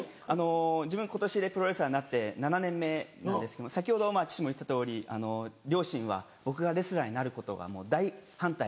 自分今年でプロレスラーになって７年目なんですけど先ほど父も言ってたとおり両親は僕がレスラーになることが大反対。